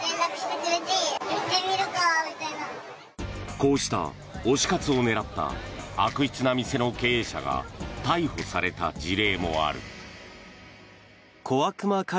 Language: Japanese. こうした推し活を狙った悪質な店の経営者が逮捕された事例もある。